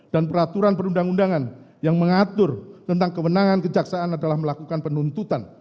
dan peraturan perundang undangan yang mengatur tentang kewenangan kejaksaan adalah melakukan penuntutan